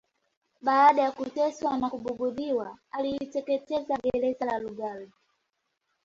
Baada ya kuteswa na kubughudhiwa aliliteketeza gereza la Lugard